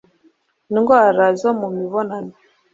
indwara zo mu mibonano